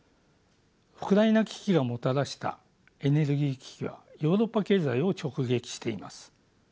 ウクライナ危機がもたらしたエネルギー危機はヨーロッパ経済を直撃しています。